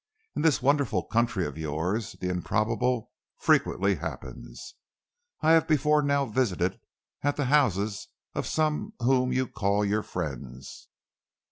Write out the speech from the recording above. "In this wonderful country of yours, the improbable frequently happens. I have before now visited at the houses of some whom you call your friends."